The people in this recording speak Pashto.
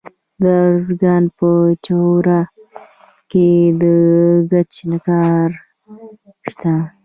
د ارزګان په چوره کې د ګچ کان شته.